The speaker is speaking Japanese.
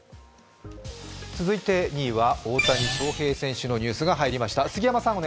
続いて２位は大谷翔平選手のニュースが入りました。